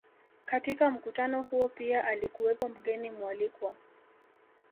Katika mkutano huo pia alikuwepo mgeni mwalikwa